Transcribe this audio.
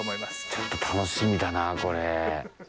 ちょっと楽しみだなこれ。